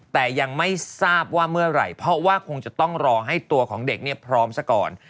แต่ยังไม่ทราบว่าเมื่อไหร่เพราะว่าคงจะต้องรอให้ตัวของเด็กพร้อมซะก่อน